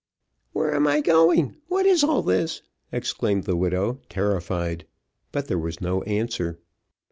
"Where am I going? what is all this?" exclaimed the, widow, terrified; but there was no answer.